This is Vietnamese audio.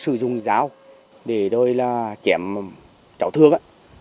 sử dụng giáo để đôi là chém cháu thương